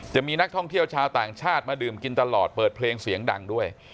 จะมีนักท่องเที่ยวชาวต่างชาติมาดื่มกินตลอดเปิดเพลงเสียงดังด้วย